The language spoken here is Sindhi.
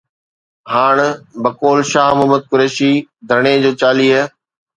هاڻ بقول شاهه محمود قريشي، ڌرڻي جو چاليهه